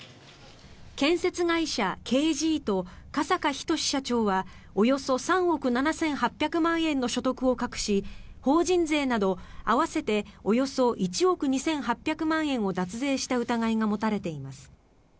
建設会社Ｋ．Ｇと加坂斉社長はおよそ３億７８００万円の所得を隠し法人税など合わせておよそ１億２８００万円を脱税した疑いが持たれています。